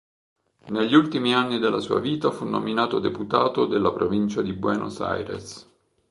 Negli ultimi anni della sua vita fu nominato deputato della provincia di Buenos Aires.